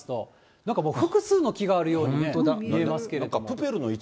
なんかもう複数の木があるように見えますけれども。